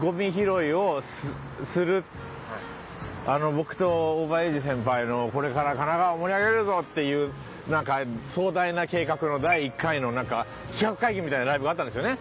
僕と大場英治先輩の「これから神奈川を盛り上げるぞ」っていうなんか壮大な計画の第１回のなんか企画会議みたいなライブがあったんですよね。